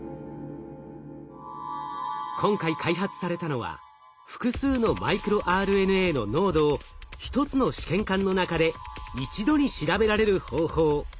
今回開発されたのは複数のマイクロＲＮＡの濃度を１つの試験管の中で一度に調べられる方法。